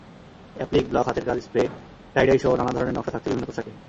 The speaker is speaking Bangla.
অ্যাপ্লিক, ব্লক, হাতের কাজ, স্প্রে, টাইডাইসহ নানা ধরনের নকশা থাকছে বিভিন্ন পোশাকে।